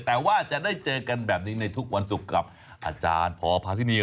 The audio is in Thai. แต่ว่าจะได้เจอกันแบบนี้ในทุกวันศุกร์กับอาจารย์พอพาที่นี่